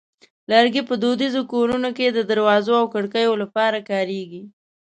لرګی په دودیزو کورونو کې د دروازو او کړکیو لپاره کارېږي.